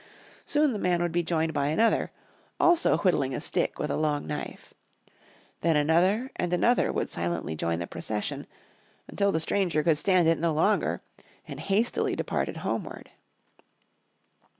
Soon the man would be joined by another, also whittling a stick with a long knife. Then another and another would silently join the procession, until the stranger could stand it no longer and hastily departed homeward.